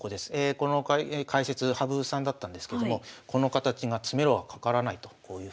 この解説羽生さんだったんですけどもこの形が詰めろはかからないとこういうふうに。